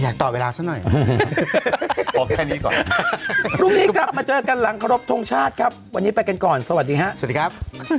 อยากตอบเวลาก่อนมาเจอกันหลังกระรบทุงชาติครับพรุ่มนี้ไปกันก่อนสวัสดีค่ะสันธิครับ